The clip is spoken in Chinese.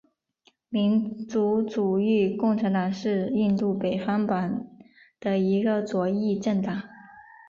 民族主义共产党是印度北方邦的一个左翼政党。